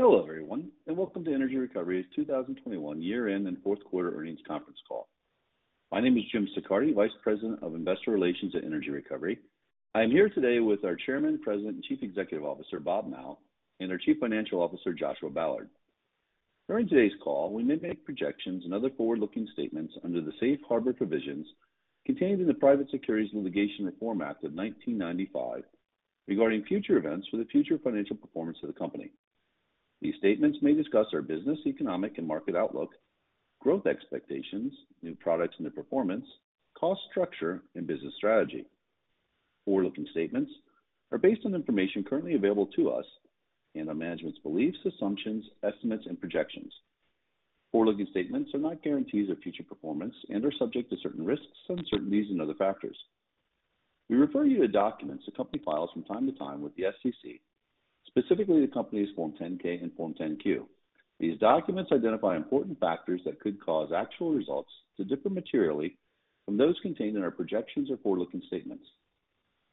Hello everyone, and welcome to Energy Recovery's 2021 Year-end and Fourth Quarter Earnings Conference Call. My name is Jim Siccardi, Vice President of Investor Relations at Energy Recovery. I am here today with our Chairman, President, and Chief Executive Officer, Bob Mao, and our Chief Financial Officer, Joshua Ballard. During today's call, we may make projections and other forward-looking statements under the safe harbor provisions contained in the Private Securities Litigation Reform Act of 1995 regarding future events for the future financial performance of the company. These statements may discuss our business, economic, and market outlook, growth expectations, new products, and their performance, cost structure, and business strategy. Forward-looking statements are based on information currently available to us and on management's beliefs, assumptions, estimates, and projections. Forward-looking statements are not guarantees of future performance and are subject to certain risks, uncertainties, and other factors. We refer you to documents the company files from time to time with the SEC, specifically the company's Form 10-K and Form 10-Q. These documents identify important factors that could cause actual results to differ materially from those contained in our projections or forward-looking statements.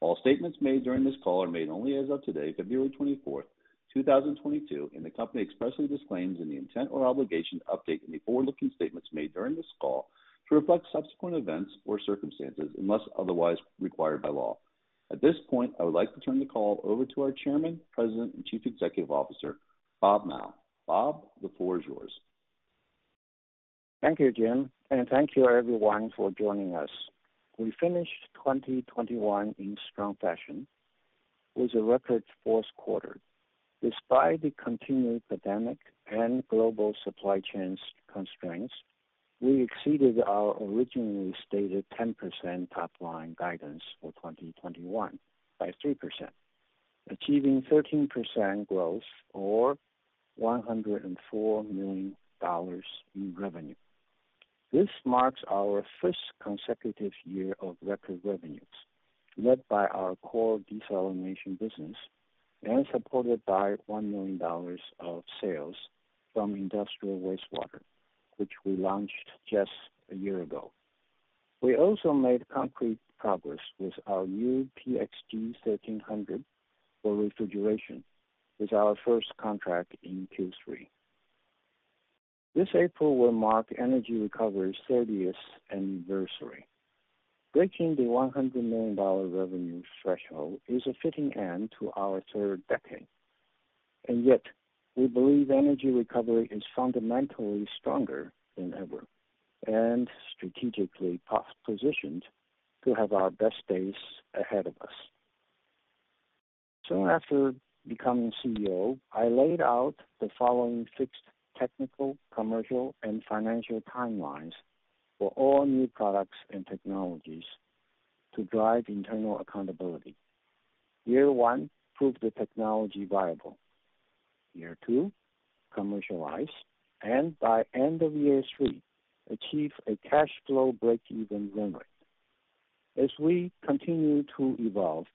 All statements made during this call are made only as of today, February 24, 2022, and the company expressly disclaims any intent or obligation to update any forward-looking statements made during this call to reflect subsequent events or circumstances unless otherwise required by law. At this point, I would like to turn the call over to our Chairman, President, and Chief Executive Officer, Bob Mao. Bob, the floor is yours. Thank you, Jim, and thank you everyone for joining us. We finished 2021 in strong fashion with a record fourth quarter. Despite the continued pandemic and global supply chains constraints, we exceeded our originally stated 10% top-line guidance for 2021 by 3%, achieving 13% growth or $104 million in revenue. This marks our first consecutive year of record revenues led by our core desalination business and supported by $1 million of sales from industrial wastewater, which we launched just a year ago. We also made concrete progress with our new PX G 1300 for refrigeration with our first contract in Q3. This April will mark Energy Recovery's 30th anniversary. Breaking the $100 million revenue threshold is a fitting end to our third decade. Yet, we believe Energy Recovery is fundamentally stronger than ever and strategically positioned to have our best days ahead of us. Soon after becoming Chief Executive Officer, I laid out the following fixed technical, commercial, and financial timelines for all new products and technologies to drive internal accountability. Year one, prove the technology viable. Year two, commercialize. By end of year three, achieve a cash flow breakeven run rate. As we continue to evolve,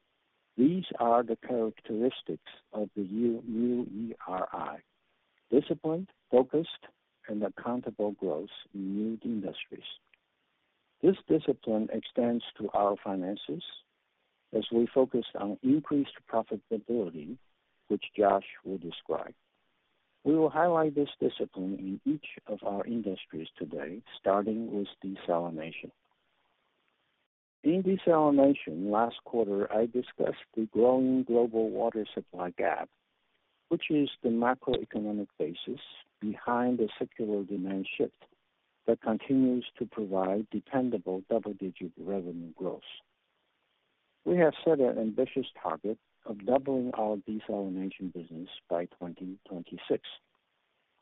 these are the characteristics of the new ERI. Disciplined, focused, and accountable growth in new industries. This discipline extends to our finances as we focus on increased profitability, which Josh will describe. We will highlight this discipline in each of our industries today, starting with desalination. In desalination last quarter, I discussed the growing global water supply gap, which is the macroeconomic basis behind the secular demand shift that continues to provide dependable double-digit revenue growth. We have set an ambitious target of doubling our desalination business by 2026.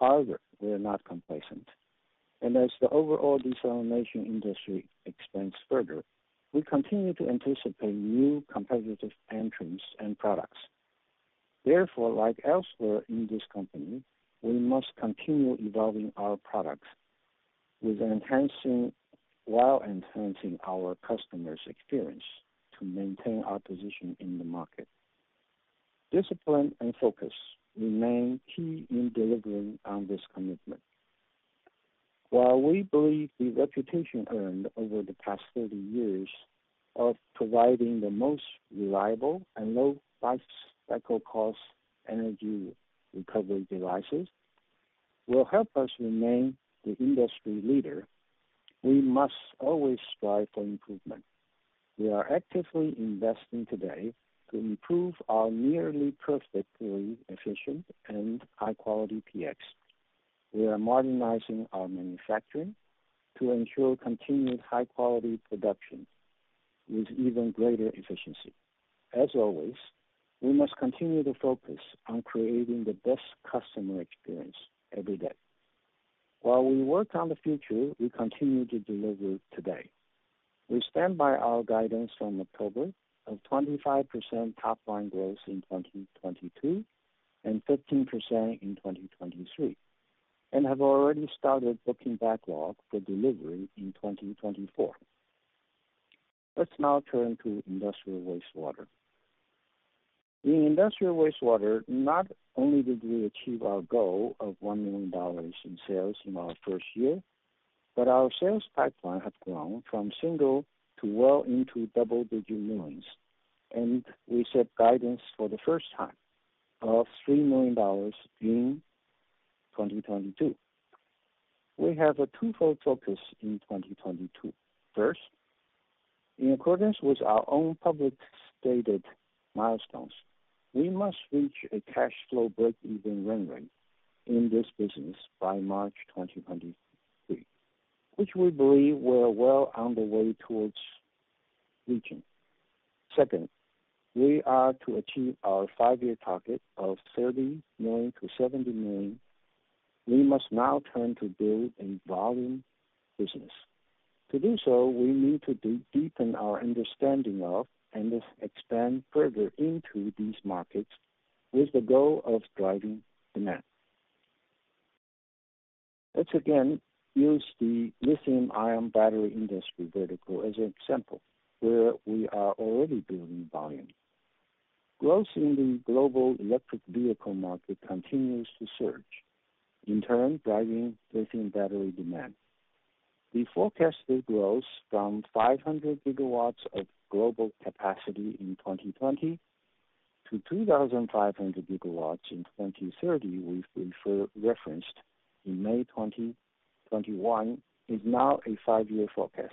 However, we are not complacent, and as the overall desalination industry expands further, we continue to anticipate new competitive entrants and products. Therefore, like elsewhere in this company, we must continue evolving our products while enhancing our customers' experience to maintain our position in the market. Discipline and focus remain key in delivering on this commitment. While we believe the reputation earned over the past 30 years of providing the most reliable and low life cycle cost energy recovery devices will help us remain the industry leader, we must always strive for improvement. We are actively investing today to improve our nearly perfectly efficient and high-quality PX. We are modernizing our manufacturing to ensure continued high quality production with even greater efficiency. As always, we must continue to focus on creating the best customer experience every day. While we work on the future, we continue to deliver today. We stand by our guidance from October of 25% top line growth in 2022 and 13% in 2023, and have already started booking backlog for delivery in 2024. Let's now turn to industrial wastewater. In industrial wastewater, not only did we achieve our goal of $1 million in sales in our first year. Our sales pipeline has grown from single to well into double-digit millions, and we set guidance for the first time of $3 million in 2022. We have a twofold focus in 2022. First, in accordance with our own public stated milestones, we must reach a cash flow break-even run rate in this business by March 2023, which we believe we're well on the way towards reaching. Second, we are to achieve our five-year target of $30 million-$70 million. We must now turn to build a volume business. To do so, we need to deepen our understanding of, and thus expand further into these markets with the goal of driving demand. Let's again use the lithium-ion battery industry vertical as an example where we are already building volume. Growth in the global electric vehicle market continues to surge, in turn, driving lithium battery demand. The forecasted growth from 500 GW of global capacity in 2020 to 2,500 GW in 2030 we've referenced in May 2021 is now a five-year forecast,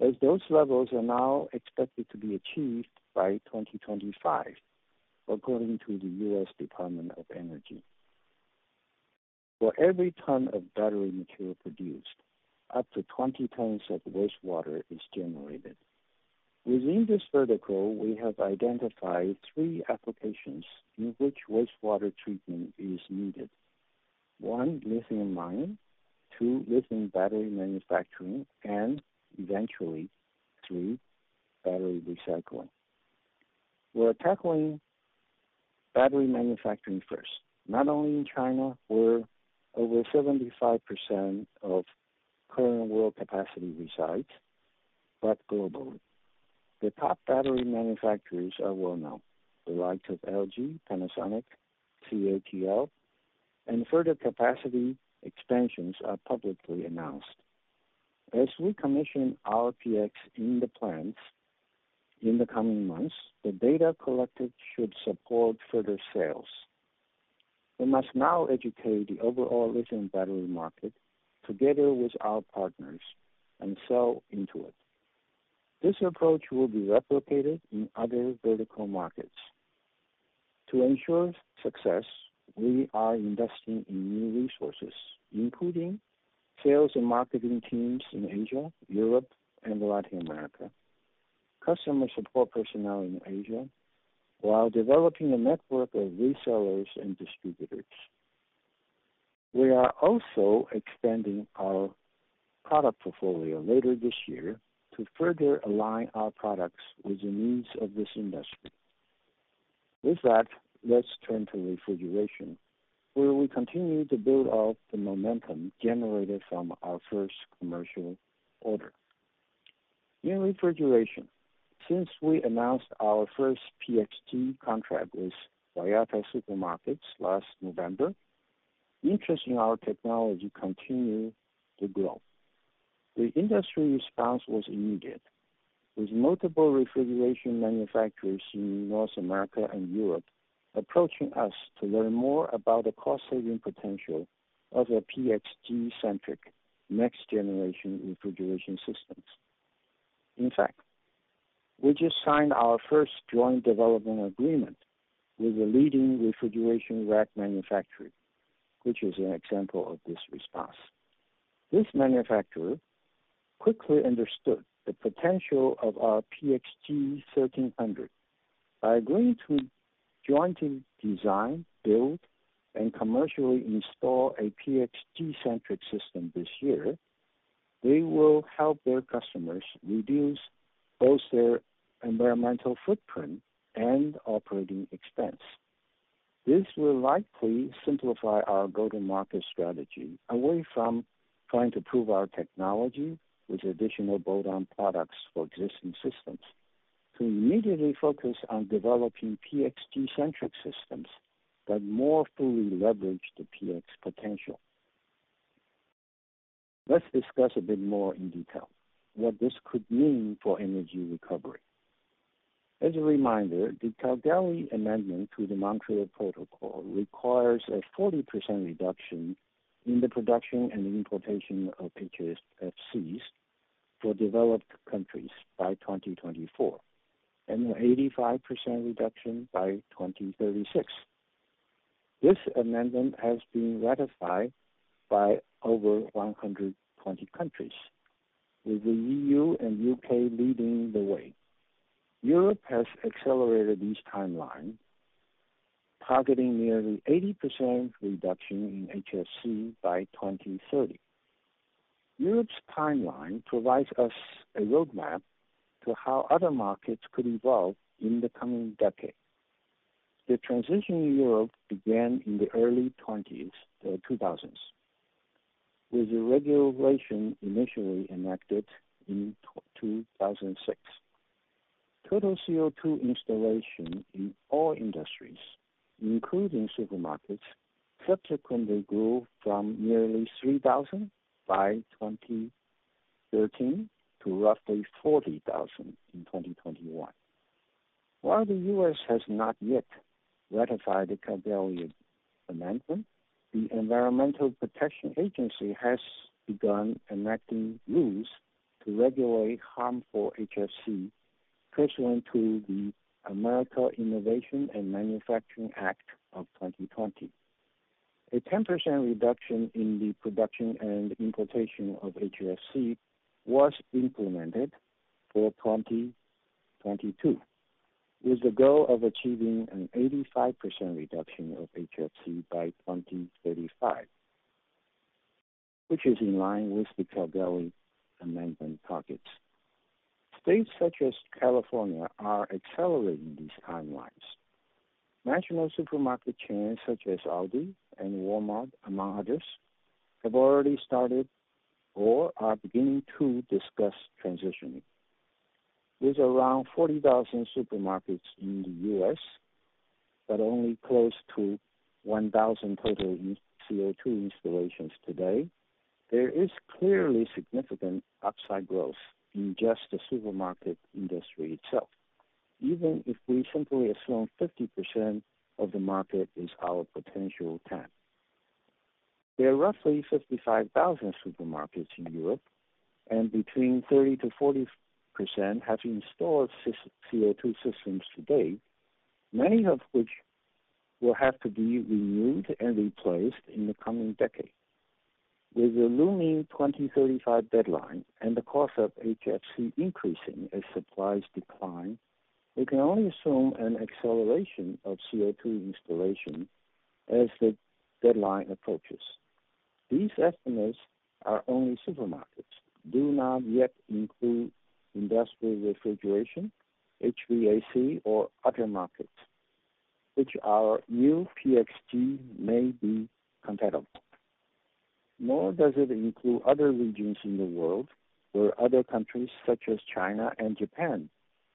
as those levels are now expected to be achieved by 2025 according to the U.S. Department of Energy. For every ton of battery material produced, up to 20 tons of wastewater is generated. Within this vertical, we have identified three applications in which wastewater treatment is needed. one, lithium mining, two, lithium battery manufacturing, and eventually, three, battery recycling. We're tackling battery manufacturing first, not only in China, where over 75% of current world capacity resides, but globally. The top battery manufacturers are well-known. The likes of LG, Panasonic, CATL, and further capacity expansions are publicly announced. As we commission our PX in the plants in the coming months, the data collected should support further sales. We must now educate the overall lithium battery market together with our partners and sell into it. This approach will be replicated in other vertical markets. To ensure success, we are investing in new resources, including sales and marketing teams in Asia, Europe, and Latin America, customer support personnel in Asia, while developing a network of resellers and distributors. We are also expanding our product portfolio later this year to further align our products with the needs of this industry. With that, let's turn to refrigeration, where we continue to build out the momentum generated from our first commercial order. In refrigeration, since we announced our first PX G contract with Toyota Supermarkets last November, interest in our technology continue to grow. The industry response was immediate, with multiple refrigeration manufacturers in North America and Europe approaching us to learn more about the cost-saving potential of a PX G-centric next-generation refrigeration systems. In fact, we just signed our first joint development agreement with a leading refrigeration rack manufacturer, which is an example of this response. This manufacturer quickly understood the potential of our PX G 1300. By agreeing to jointly design, build, and commercially install a PX G-centric system this year, they will help their customers reduce both their environmental footprint and operating expense. This will likely simplify our go-to-market strategy away from trying to prove our technology with additional bolt-on products for existing systems to immediately focus on developing PX G-centric systems that more fully leverage the PX potential. Let's discuss a bit more in detail what this could mean for Energy Recovery. As a reminder, the Kigali Amendment to the Montreal Protocol requires a 40% reduction in the production and importation of HFCs for developed countries by 2024, and 85% reduction by 2036. This amendment has been ratified by over 120 countries, with the EU and U.K leading the way. Europe has accelerated this timeline, targeting nearly 80% reduction in HFC by 2030. Europe's timeline provides us a roadmap to how other markets could evolve in the coming decade. The transition in Europe began in the early 2000s, with the regulation initially enacted in 2006. Total CO2 installation in all industries, including supermarkets, subsequently grew from nearly 3,000 by 2013 to roughly 40,000 in 2021. While the U.S. has not yet ratified the Kigali Amendment, the Environmental Protection Agency has begun enacting rules to regulate harmful HFC pursuant to the American Innovation and Manufacturing Act of 2020. A 10% reduction in the production and importation of HFC was implemented for 2022, with the goal of achieving an 85% reduction of HFC by 2035, which is in line with the Kigali Amendment targets. States such as California are accelerating these timelines. National supermarket chains such as ALDI and Walmart, among others, have already started or are beginning to discuss transitioning. With around 40,000 supermarkets in the U.S., but only close to 1,000 total CO2 installations today, there is clearly significant upside growth in just the supermarket industry itself, even if we simply assume 50% of the market is our potential TAM. There are roughly 55,000 supermarkets in Europe, and between 30%-40% have installed CO2 systems to date, many of which will have to be renewed and replaced in the coming decade. With a looming 2035 deadline and the cost of HFC increasing as supplies decline, we can only assume an acceleration of CO2 installation as the deadline approaches. These estimates are only supermarkets, do not yet include industrial refrigeration, HVAC, or other markets which our new PX G may be competitive. Nor does it include other regions in the world where other countries such as China and Japan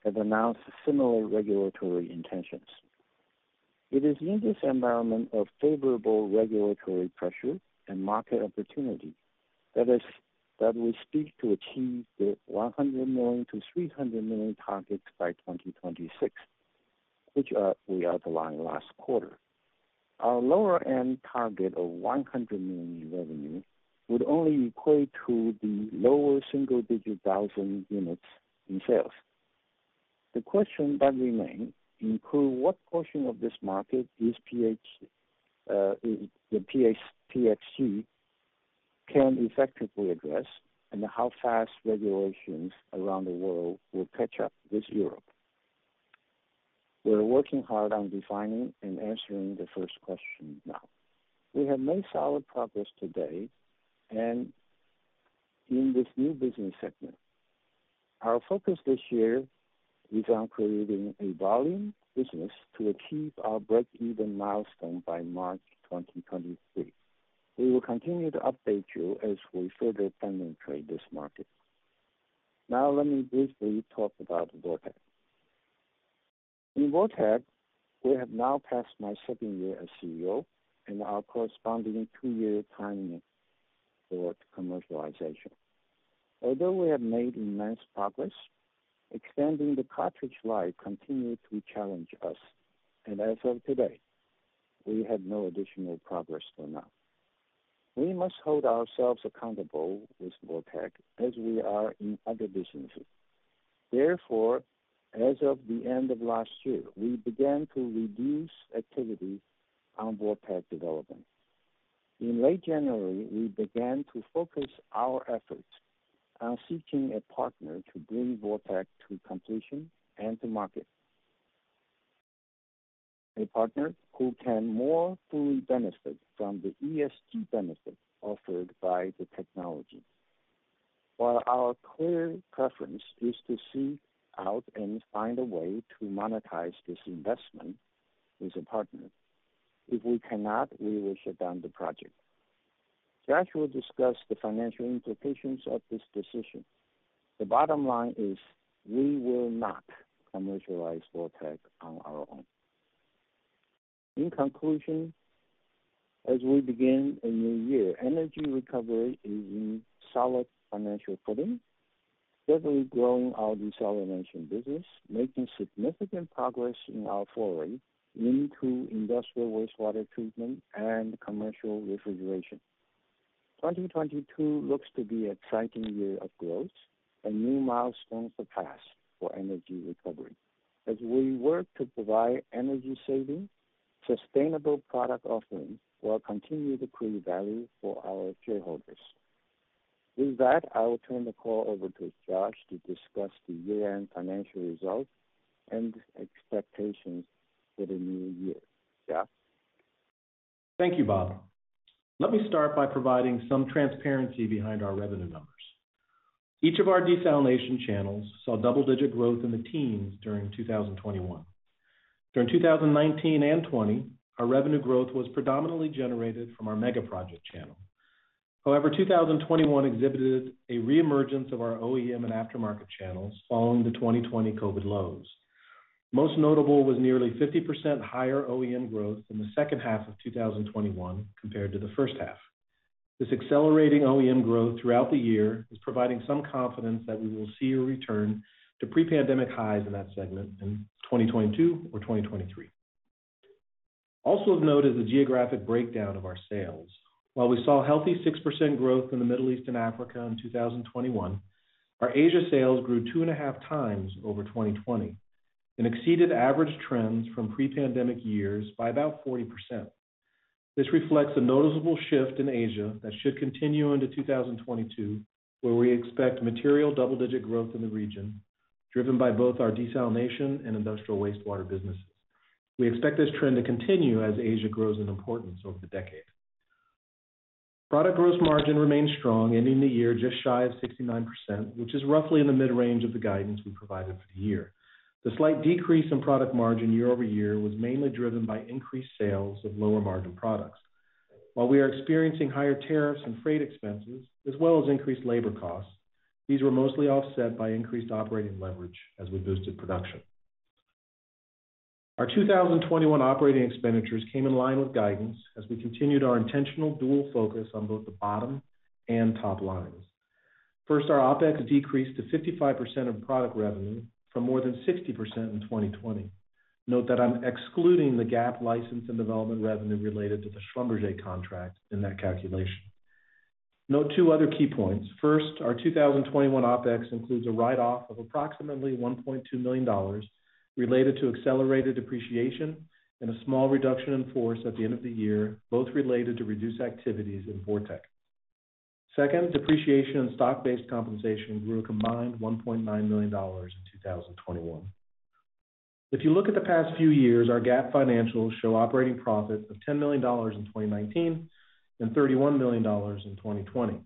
have announced similar regulatory intentions. It is in this environment of favorable regulatory pressure and market opportunity that we seek to achieve the $100 million-$300 million targets by 2026, which we outlined last quarter. Our lower end target of $100 million in revenue would only equate to the lower single-digit thousand units in sales. The question that remains include what portion of this market this PX G can effectively address, and how fast regulations around the world will catch up with Europe. We're working hard on defining and answering the first question now. We have made solid progress to date and in this new business segment. Our focus this year is on creating a volume business to achieve our breakeven milestone by March 2023. We will continue to update you as we further penetrate this market. Now let me briefly talk about VorTeq. In VorTeq, we have now passed my second year as Chief Executive Officer and our corresponding two-year timeline toward commercialization. Although we have made immense progress, extending the cartridge life continued to challenge us, and as of today, we have no additional progress to announce. We must hold ourselves accountable with VorTeq as we are in other businesses. Therefore, as of the end of last year, we began to reduce activity on VorTeq development. In late January, we began to focus our efforts on seeking a partner to bring VorTeq to completion and to market. A partner who can more fully benefit from the ESG benefits offered by the technology. While our clear preference is to seek out and find a way to monetize this investment with a partner, if we cannot, we will shut down the project. Josh will discuss the financial implications of this decision. The bottom line is, we will not commercialize VorTeq on our own. In conclusion, as we begin a new year, Energy Recovery is in solid financial footing, steadily growing our desalination business, making significant progress in our foray into industrial wastewater treatment and commercial refrigeration. 2022 looks to be an exciting year of growth and new milestones to pass for Energy Recovery as we work to provide energy-saving, sustainable product offerings while continuing to create value for our shareholders. With that, I will turn the call over to Joshua to discuss the year-end financial results and expectations for the new year. Joshua? Thank you, Bob. Let me start by providing some transparency behind our revenue numbers. Each of our desalination channels saw double-digit growth in the teens during 2021. During 2019 and 2020, our revenue growth was predominantly generated from our mega project channel. However, 2021 exhibited a reemergence of our OEM and aftermarket channels following the 2020 COVID lows. Most notable was nearly 50% higher OEM growth in the second half of 2021 compared to the first half. This accelerating OEM growth throughout the year is providing some confidence that we will see a return to pre-pandemic highs in that segment in 2022 or 2023. Also of note is the geographic breakdown of our sales. While we saw a healthy 6% growth in the Middle East and Africa in 2021, our Asia sales grew 2.5x over 2020 and exceeded average trends from pre-pandemic years by about 40%. This reflects a noticeable shift in Asia that should continue into 2022, where we expect material double-digit growth in the region, driven by both our desalination and industrial wastewater businesses. We expect this trend to continue as Asia grows in importance over the decade. Product gross margin remains strong, ending the year just shy of 69%, which is roughly in the mid-range of the guidance we provided for the year. The slight decrease in product margin year over year was mainly driven by increased sales of lower margin products. While we are experiencing higher tariffs and freight expenses as well as increased labor costs, these were mostly offset by increased operating leverage as we boosted production. Our 2021 operating expenditures came in line with guidance as we continued our intentional dual focus on both the bottom and top lines. First, our OpEx decreased to 55% of product revenue from more than 60% in 2020. Note that I'm excluding the GAAP license and development revenue related to the Schlumberger contract in that calculation. Note two other key points. First, our 2021 OpEx includes a write-off of approximately $1.2 million related to accelerated depreciation and a small reduction in force at the end of the year, both related to reduced activities in VorTeq. Second, depreciation and stock-based compensation grew a combined $1.9 million in 2021. If you look at the past few years, our GAAP financials show operating profits of $10 million in 2019 and $31 million in 2020.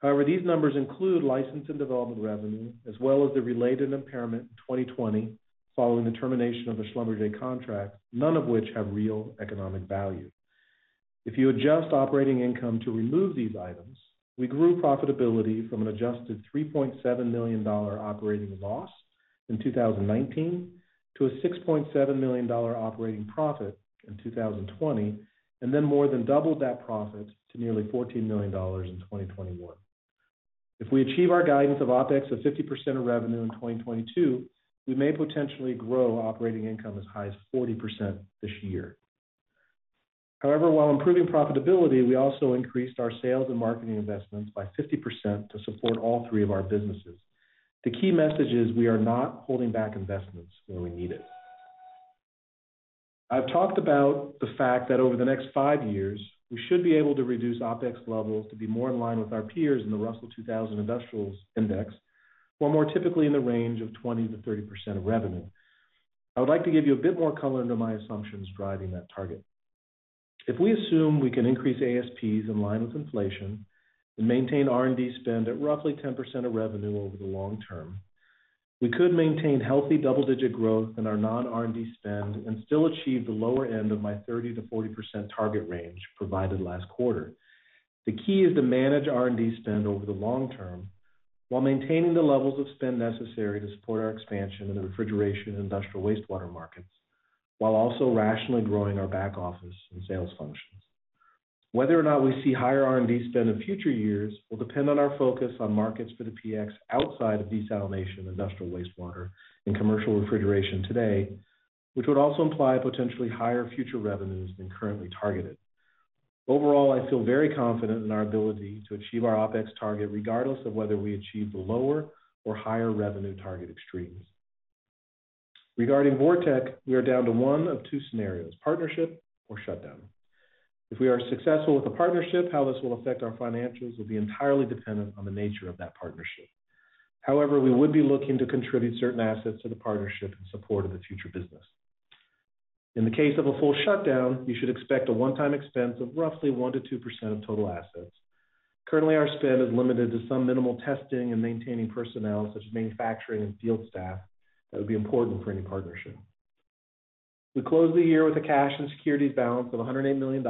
However, these numbers include license and development revenue, as well as the related impairment in 2020 following the termination of the Schlumberger contract, none of which have real economic value. If you adjust operating income to remove these items, we grew profitability from an adjusted $3.7 million operating loss in 2019 to a $6.7 million operating profit in 2020, and then more than doubled that profit to nearly $14 million in 2021. If we achieve our guidance of OpEx of 50% of revenue in 2022, we may potentially grow operating income as high as 40% this year. However, while improving profitability, we also increased our sales and marketing investments by 50% to support all three of our businesses. The key message is we are not holding back investments where we need it. I've talked about the fact that over the next five years, we should be able to reduce OpEx levels to be more in line with our peers in the Russell 2000 Industrials Index, or more typically in the range of 20%-30% of revenue. I would like to give you a bit more color into my assumptions driving that target. If we assume we can increase ASPs in line with inflation and maintain R&D spend at roughly 10% of revenue over the long term, we could maintain healthy double-digit growth in our non-R&D spend and still achieve the lower end of my 30%-40% target range provided last quarter. The key is to manage R&D spend over the long term while maintaining the levels of spend necessary to support our expansion in the refrigeration and industrial wastewater markets, while also rationally growing our back office and sales functions. Whether or not we see higher R&D spend in future years will depend on our focus on markets for the PX outside of desalination, industrial wastewater, and commercial refrigeration today, which would also imply potentially higher future revenues than currently targeted. Overall, I feel very confident in our ability to achieve our OpEx target regardless of whether we achieve the lower or higher revenue target extremes. Regarding VorTeq, we are down to one of two scenarios, partnership or shutdown. If we are successful with the partnership, how this will affect our financials will be entirely dependent on the nature of that partnership. However, we would be looking to contribute certain assets to the partnership in support of the future business. In the case of a full shutdown, you should expect a one-time expense of roughly 1%-2% of total assets. Currently, our spend is limited to some minimal testing and maintaining personnel such as manufacturing and field staff that would be important for any partnership. We closed the year with a cash and securities balance of $108 million,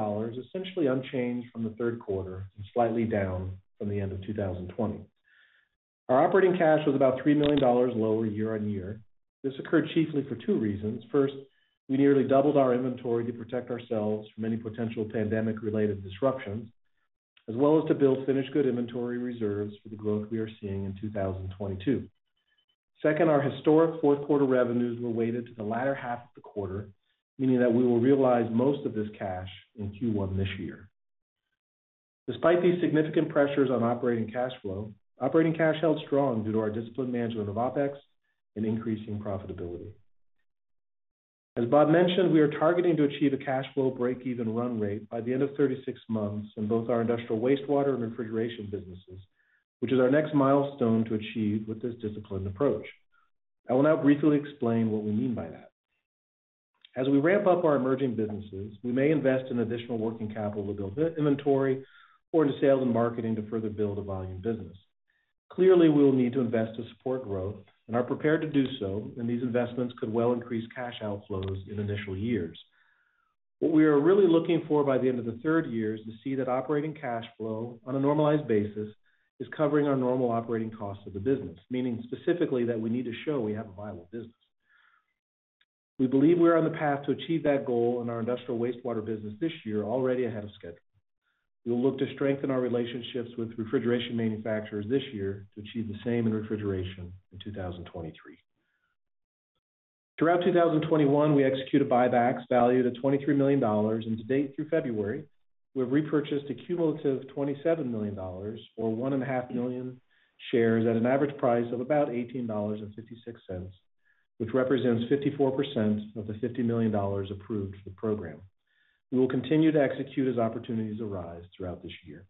essentially unchanged from the third quarter and slightly down from the end of 2020. Our operating cash was about $3 million lower year-over-year. This occurred chiefly for two reasons. First, we nearly doubled our inventory to protect ourselves from any potential pandemic-related disruptions, as well as to build finished goods inventory reserves for the growth we are seeing in 2022. Second, our historic fourth quarter revenues were weighted to the latter half of the quarter, meaning that we will realize most of this cash in Q1 this year. Despite these significant pressures on operating cash flow, operating cash held strong due to our disciplined management of OpEx and increasing profitability. As Bob mentioned, we are targeting to achieve a cash flow break-even run rate by the end of 36 months in both our industrial wastewater and refrigeration businesses, which is our next milestone to achieve with this disciplined approach. I will now briefly explain what we mean by that. As we ramp up our emerging businesses, we may invest in additional working capital to build inventory or to sales and marketing to further build a volume business. Clearly, we will need to invest to support growth and are prepared to do so, and these investments could well increase cash outflows in initial years. What we are really looking for by the end of the third year is to see that operating cash flow on a normalized basis is covering our normal operating costs of the business, meaning specifically that we need to show we have a viable business. We believe we are on the path to achieve that goal in our industrial wastewater business this year already ahead of schedule. We will look to strengthen our relationships with refrigeration manufacturers this year to achieve the same in refrigeration in 2023. Throughout 2021, we executed buybacks valued at $23 million. To date, through February, we have repurchased a cumulative $27 million or 1.5 million shares at an average price of about $18.56, which represents 54% of the $50 million approved for the program. We will continue to execute as opportunities arise throughout this year.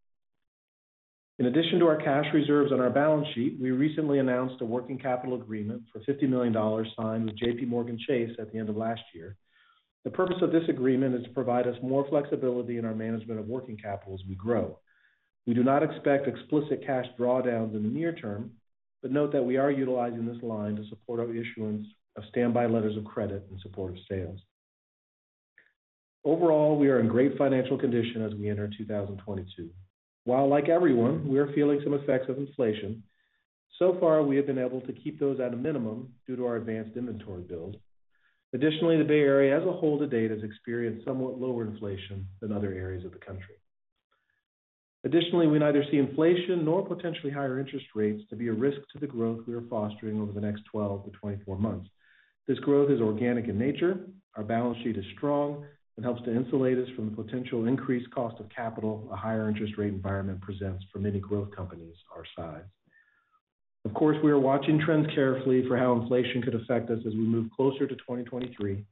In addition to our cash reserves on our balance sheet, we recently announced a working capital agreement for $50 million signed with J.P. Morgan Chase at the end of last year. The purpose of this agreement is to provide us more flexibility in our management of working capital as we grow. We do not expect explicit cash drawdowns in the near term, but note that we are utilizing this line to support our issuance of standby letters of credit in support of sales. Overall, we are in great financial condition as we enter 2022. While, like everyone, we are feeling some effects of inflation, so far we have been able to keep those at a minimum due to our advanced inventory build. Additionally, the Bay Area as a whole to date has experienced somewhat lower inflation than other areas of the country. Additionally, we neither see inflation nor potentially higher interest rates to be a risk to the growth we are fostering over the next 12-24 months. This growth is organic in nature. Our balance sheet is strong and helps to insulate us from the potential increased cost of capital in a higher interest rate environment presents for many growth companies our size. Of course, we are watching trends carefully for how inflation could affect us as we move closer to 2023,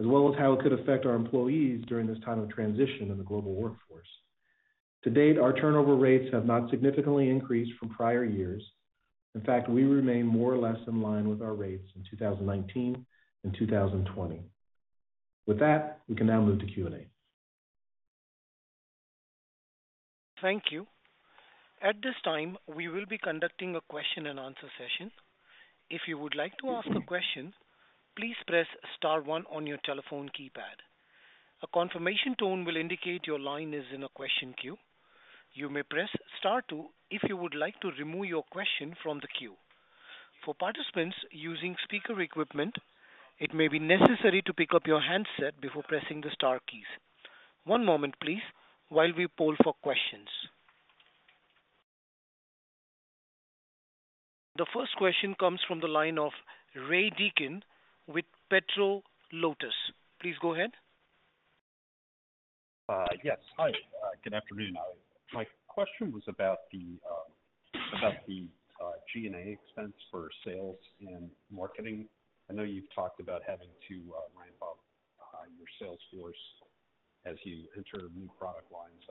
as well as how it could affect our employees during this time of transition in the global workforce. To date, our turnover rates have not significantly increased from prior years. In fact, we remain more or less in line with our rates in 2019 and 2020. With that, we can now move to Q&A. Thank you. At this time, we will be conducting a question and answer session. If you would like to ask a question, please press star one on your telephone keypad. A confirmation tone will indicate your line is in a question queue. You may press star two if you would like to remove your question from the queue. For participants using speaker equipment, it may be necessary to pick up your handset before pressing the star keys. One moment, please, while we poll for questions. The first question comes from the line of Ray Deacon with Petro-Lotus. Please go ahead. Yes. Hi. Good afternoon. My question was about the G&A expense for sales and marketing. I know you've talked about having to ramp up your sales force as you enter new product lines.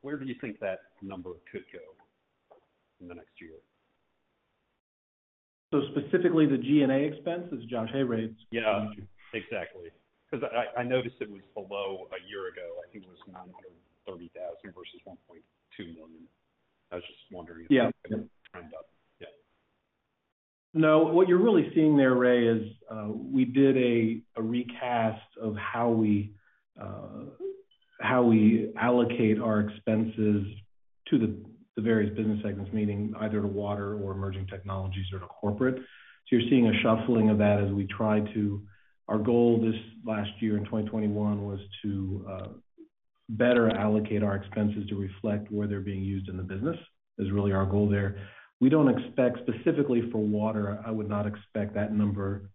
Where do you think that number could go in the next year? Specifically the G&A expense? This is Josh. Hey, Ray. Yeah, exactly. 'Cause I noticed it was below a year ago. I think it was $930,000 versus $1.2 million. I was just wondering- Yeah. if it would trend up. Yeah. No, what you're really seeing there, Ray, is we did a recast of how we allocate our expenses to the various business segments, meaning either to water or emerging technologies or to corporate. You're seeing a shuffling of that. Our goal this last year in 2021 was to better allocate our expenses to reflect where they're being used in the business. It is really our goal there. We don't expect specifically for water. I would not expect that number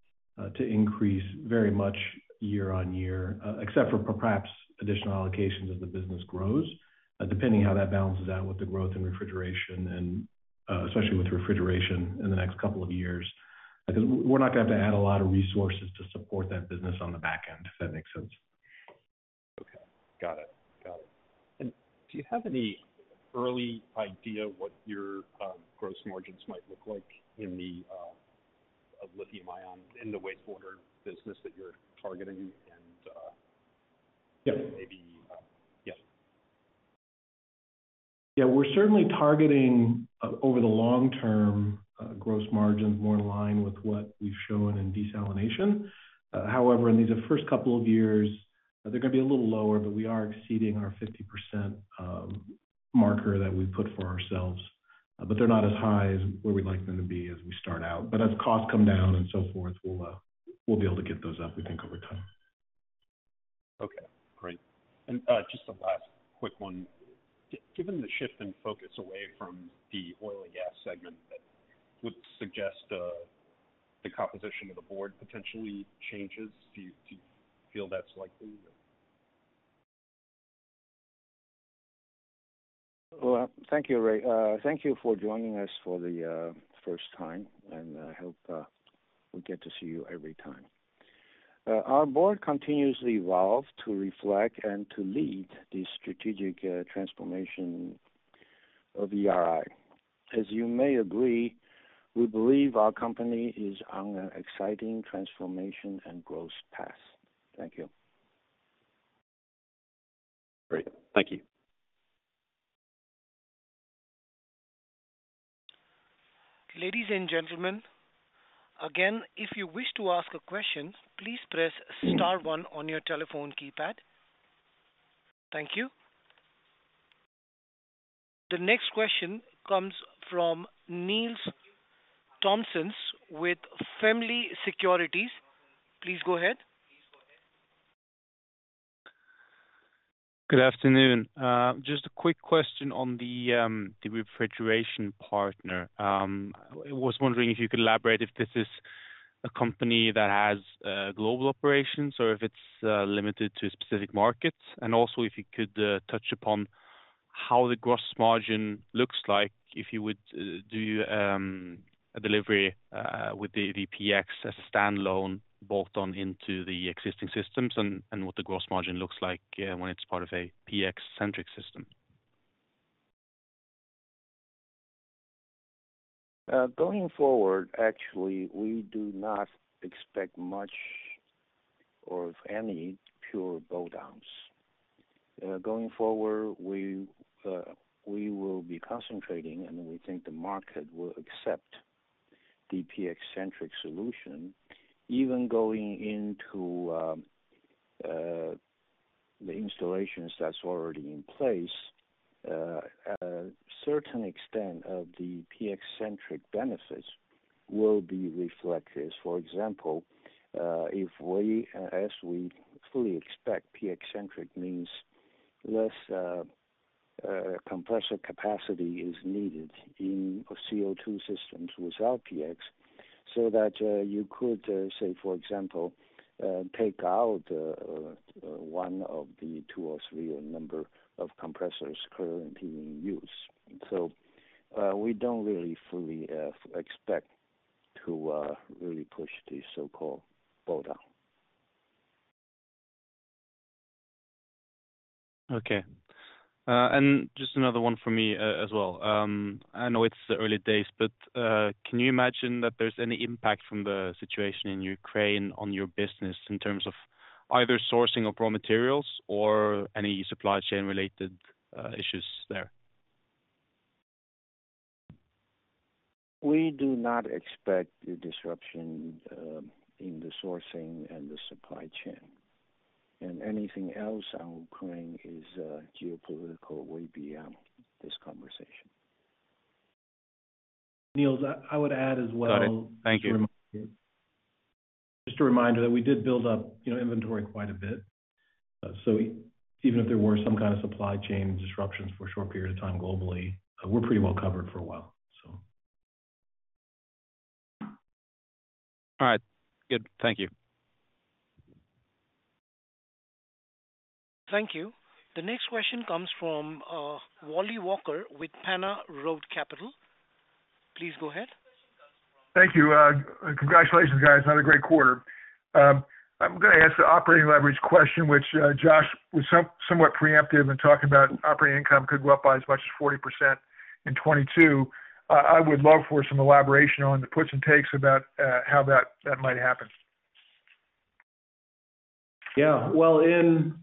to increase very much year-over-year, except for perhaps additional allocations as the business grows, depending how that balances out with the growth in refrigeration and especially with refrigeration in the next couple of years. Because we're not gonna have to add a lot of resources to support that business on the back end, if that makes sense. Okay. Got it. Do you have any early idea what your gross margins might look like in the lithium-ion in the wastewater business that you're targeting and Maybe. Yeah. Yeah, we're certainly targeting over the long term, gross margins more in line with what we've shown in desalination. However, in these first couple of years, they're gonna be a little lower, but we are exceeding our 50% marker that we put for ourselves. They're not as high as where we'd like them to be as we start out. As costs come down and so forth, we'll be able to get those up, we think, over time. Okay, great. Just a last quick one. Given the shift in focus away from the oil and gas segment, that would suggest the composition of the board potentially changes. Do you feel that's likely? Well, thank you, Ray. Thank you for joining us for the first time, and I hope we get to see you every time. Our board continuously evolve to reflect and to lead the strategic transformation of ERII. As you may agree, we believe our company is on an exciting transformation and growth path. Thank you. Great. Thank you. Ladies and gentlemen, again, if you wish to ask a question, please press star one on your telephone keypad. Thank you. The next question comes from Niels Thomsen with Family Securities. Please go ahead. Good afternoon. Just a quick question on the refrigeration partner. I was wondering if you could elaborate if this is a company that has global operations or if it's limited to specific markets. Also, if you could touch upon how the gross margin looks like if you would do a delivery with the PX as a standalone bolt-on into the existing systems and what the gross margin looks like when it's part of a PX-centric system. Going forward, actually, we do not expect much or any pure buy-downs. Going forward, we will be concentrating, and we think the market will accept the PX-centric solution. Even going into the installations that's already in place, a certain extent of the PX-centric benefits will be reflected. For example, as we fully expect, PX-centric means less compressor capacity is needed in CO2 systems with PX, so that you could say, for example, take out one of the two or three compressors currently in use. We don't really fully expect to really push the so-called buy-down. Okay. Just another one for me, as well. I know it's the early days, but can you imagine that there's any impact from the situation in Ukraine on your business in terms of either sourcing of raw materials or any supply chain related issues there? We do not expect a disruption in the sourcing and the supply chain. Anything else on Ukraine is geopolitical, way beyond this conversation. Niels, I would add as well. Got it. Thank you. Just a reminder that we did build up, you know, inventory quite a bit. So even if there were some kind of supply chain disruptions for a short period of time globally, we're pretty well covered for a while, so. All right. Good. Thank you. Thank you. The next question comes from, Wally Walker with Hana Road Capital. Please go ahead. Thank you. Congratulations, guys. Another great quarter. I'm gonna ask the operating leverage question, which Joshua was somewhat preemptive in talking about operating income could go up by as much as 40% in 2022. I would love for some elaboration on the puts and takes about how that might happen. Yeah. Well, in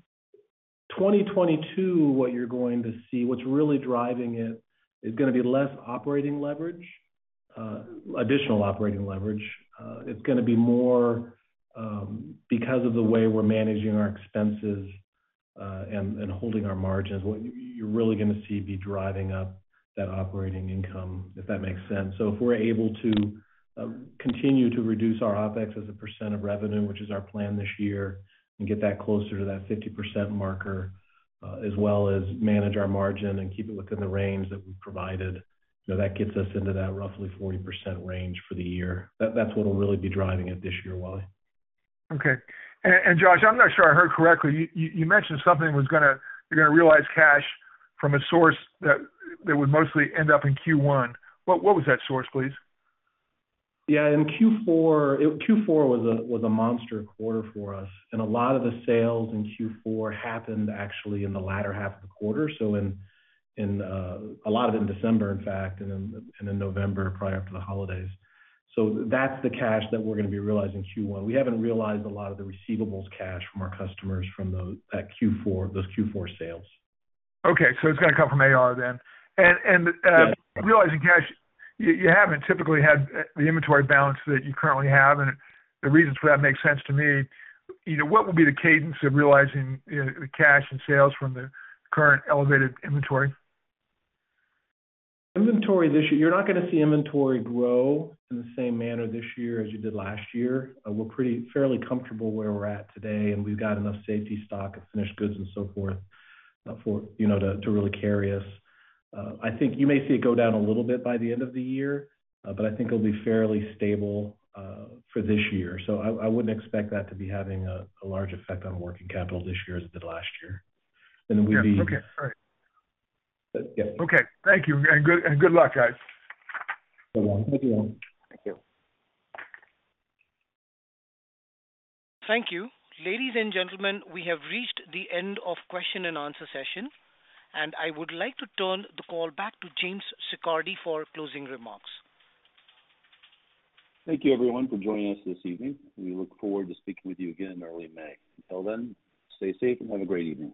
2022, what you're going to see, what's really driving it is gonna be less operating leverage, additional operating leverage. It's gonna be more, because of the way we're managing our expenses, and holding our margins, what you're really gonna see be driving up that operating income, if that makes sense. If we're able to continue to reduce our OpEx as a percent of revenue, which is our plan this year, and get that closer to that 50% marker, as well as manage our margin and keep it within the range that we've provided, you know, that gets us into that roughly 40% range for the year. That's what will really be driving it this year, Wally. Okay. Joshua, I'm not sure I heard correctly. You mentioned you're gonna realize cash from a source that would mostly end up in Q1. What was that source, please? Yeah. In Q4 was a monster quarter for us, and a lot of the sales in Q4 happened actually in the latter half of the quarter. A lot of it in December, in fact, and in November, prior to the holidays. That's the cash that we're gonna be realizing in Q1. We haven't realized a lot of the receivables cash from our customers from that Q4, those Q4 sales. Okay. It's gonna come from AR then. Yes. Realizing cash, you haven't typically had the inventory balance that you currently have, and the reasons for that makes sense to me. You know, what will be the cadence of realizing the cash and sales from the current elevated inventory? Inventory this year, you're not gonna see inventory grow in the same manner this year as you did last year. We're pretty fairly comfortable where we're at today, and we've got enough safety stock and finished goods and so forth, for you know to really carry us. I think you may see it go down a little bit by the end of the year, but I think it'll be fairly stable for this year. I wouldn't expect that to be having a large effect on working capital this year as it did last year. Yeah. Okay. All right. Yes. Okay. Thank you. Good luck, guys. So long. Thank you. Thank you. Thank you. Ladies and gentlemen, we have reached the end of question and answer session, and I would like to turn the call back to Jim Siccardi for closing remarks. Thank you, everyone, for joining us this evening. We look forward to speaking with you again in early May. Until then, stay safe and have a great evening.